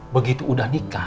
begitu udah nikah